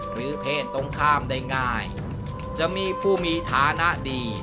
หรือเพศตรงข้ามได้ง่ายจะมีผู้มีฐานะดี